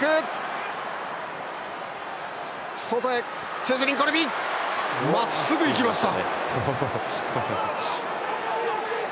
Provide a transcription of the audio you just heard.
チェズリン・コルビまっすぐ行きました。